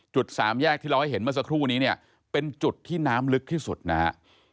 สามแยกที่เราให้เห็นเมื่อสักครู่นี้เนี่ยเป็นจุดที่น้ำลึกที่สุดนะฮะ